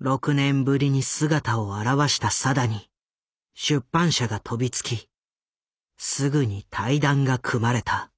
６年ぶりに姿を現した定に出版社が飛びつきすぐに対談が組まれた。